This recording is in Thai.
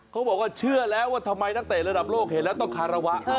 เขาบอกว่าเชื่อแล้วว่าทำไมนักเตะระดับโลกเห็นแล้วต้องคารวะ